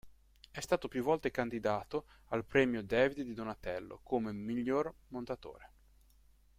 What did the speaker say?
È stato più volte candidato al Premio David di Donatello come Miglior Montatore.